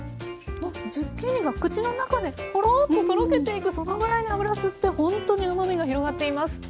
ズッキーニが口の中でほろっととろけていくそのぐらいに油を吸ってほんとにうまみが広がっています。